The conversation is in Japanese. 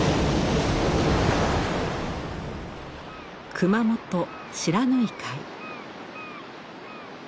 熊本不知火海。